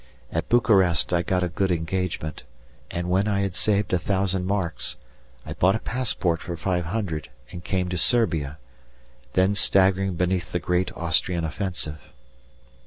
At Bukharest I got a good engagement, and when I had saved a thousand marks, I bought a passport for five hundred, and came to Serbia, then staggering beneath the great Austrian offensive.